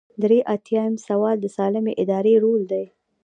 درې ایاتیام سوال د سالمې ادارې رول دی.